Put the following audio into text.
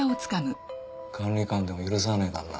管理官でも許さねえからな。